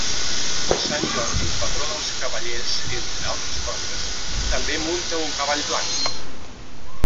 Sant Jordi, patró dels cavallers entre altres coses, també munta un cavall blanc.